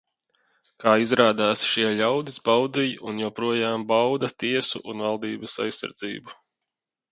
Kā izrādās šie ļaudis baudīja un joprojām bauda tiesu un valdības aizsardzību.